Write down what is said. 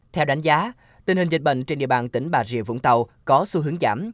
theo đánh giá tình hình dịch bệnh trên địa bàn tỉnh bà rịa vũng tàu có xu hướng giảm